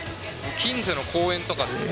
近所の公園とかです。